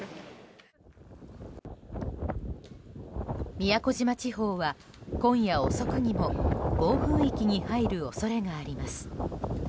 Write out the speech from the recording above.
宮古島地方は今夜遅くにも暴風域に入る恐れがあります。